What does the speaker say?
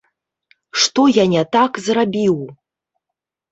Што я не так зрабіў?